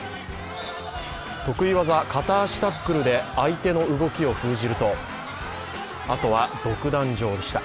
得意技、片足タックルで相手の動きを封じるとあとは独壇場でした。